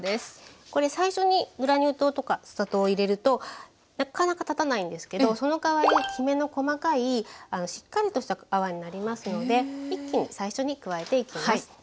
これ最初にグラニュー糖とかお砂糖を入れるとなかなか立たないんですけどそのかわりきめの細かいしっかりとした泡になりますので一気に最初に加えていきます。